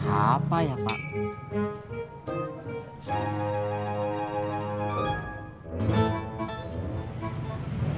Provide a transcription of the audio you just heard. apa ya pak